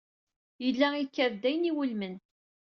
Yella ikad-d d ayen iwulmen.